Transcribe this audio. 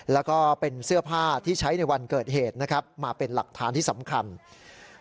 แล้วก็เป็นเสื้อผ้าที่ใช้ในวันเกิดเหตุนะครับมาเป็นหลักฐานที่สำคัญ